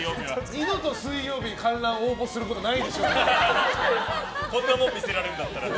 二度と水曜日観覧応募することないでしょうね。